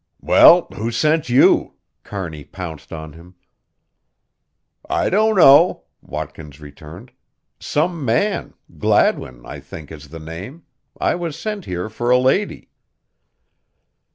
"Well, who sent you?" Kearney pounced on him. "I don't know," Watkins returned. "Some man Gladwin, I think, is the name. I was sent here for a lady."